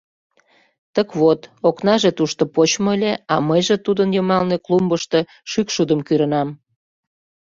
— Тык вот, окнаже тушто почмо ыле, а мыйже тудын йымалне клумбышто шӱкшудым кӱрынам.